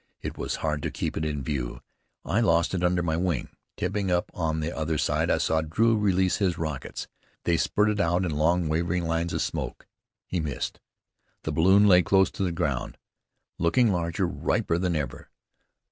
It was hard to keep it in view. I lost it under my wing. Tipping up on the other side, I saw Drew release his rockets. They spurted out in long wavering lines of smoke. He missed. The balloon lay close to the ground, looking larger, riper than ever.